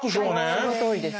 はいそのとおりです。